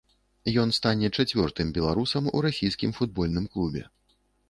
Ён стане чацвёртым беларусам у расійскім футбольным клубе.